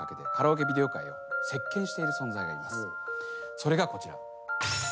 それがこちら。